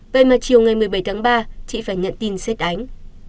vậy mà chiều ngày một mươi bảy tháng ba chị phải nhận tin xét đánh